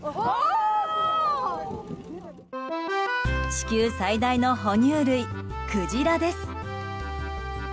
地球最大の哺乳類クジラです。